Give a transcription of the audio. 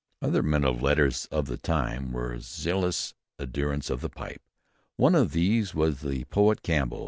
Other men of letters of the time were zealous adherents of the pipe. One of these was the poet Campbell.